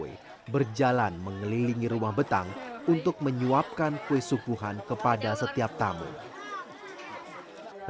ritual pasiap ini dilakukan guna menghormati tamu dan memastikan tidak ada satupun tamu yang merasa lapar di betang sawe